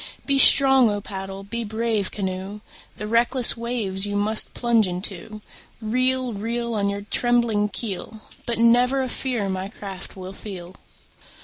Be strong, O paddle! be brave, canoe! The reckless waves you must plunge into. Reel, reel. On your trembling keel, But never a fear my craft will feel.